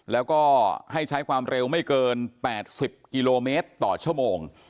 แล้วก็ให้ใช้ความเร็วไม่เกิน๘๐กิโลเมตรต่อชั่วโมง